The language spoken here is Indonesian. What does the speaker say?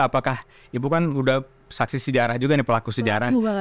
apakah ibu kan udah saksi sejarah juga nih pelaku sejarah